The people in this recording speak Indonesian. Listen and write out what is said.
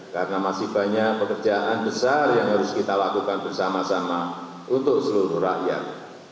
karena masih banyak pekerjaan besar yang harus kita lakukan bersama sama untuk seluruh rakyat